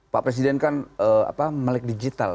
pak presiden kan melek digital